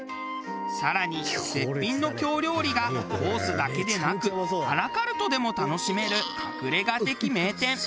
更に絶品の京料理がコースだけでなくアラカルトでも楽しめる隠れ家的名店。